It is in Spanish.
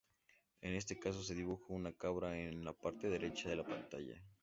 En este caso, se dibuja una cabra en la parte derecha de la pantalla.